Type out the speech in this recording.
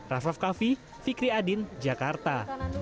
rafa fkafi fikri adin jakarta